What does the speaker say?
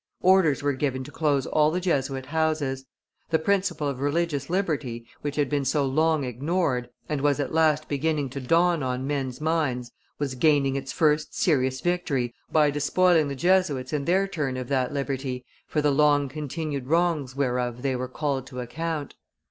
Orders were given to close all the Jesuit houses. The principle of religious liberty, which had been so long ignored, and was at last beginning to dawn on men's minds, was gaining its first serious victory by despoiling the Jesuits in their turn of that liberty for the long continued wrongs whereof they were called to account.